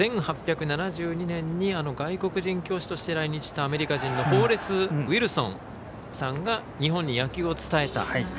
１８７２年に外国人教師として来日したアメリカ人のフォーレス・ウィルソンさんが日本に野球を伝えた。